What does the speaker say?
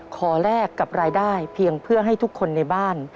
แลกกับรายได้เพียงเพื่อให้ทุกคนในบ้าน